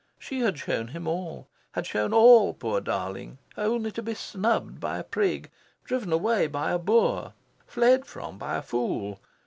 She had shown him all had shown all, poor darling! only to be snubbed by a prig, driven away by a boor, fled from by a fool.